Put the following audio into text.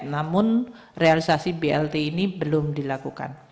namun realisasi blt ini belum dilakukan